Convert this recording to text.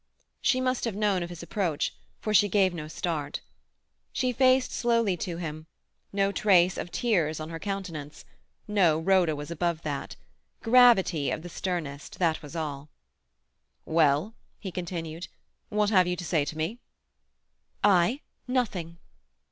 She must have known of his approach, for she gave no start. She faced slowly to him. No trace of tears on her countenance; no, Rhoda was above that. Gravity of the sternest—that was all. "Well," he continued, "what have you to say to me?" "I? Nothing."